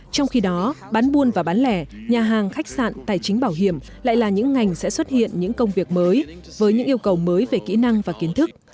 trong khi đó bán buôn và bán lẻ nhà hàng khách sạn tài chính bảo hiểm lại là những ngành sẽ xuất hiện những công việc mới với những yêu cầu mới về kỹ năng và kiến thức